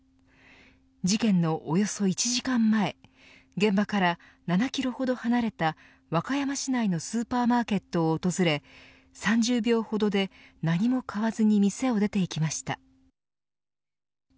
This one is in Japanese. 事件のおよそ１時間前現場から７キロほど離れた和歌山市内のスーパーマーケットを訪れ３０秒ほどで何も買わずに店を出て行きました。